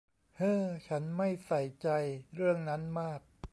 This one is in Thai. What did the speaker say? เฮ้อ ฉันไม่ใส่ใจเรื่องนั้นมาก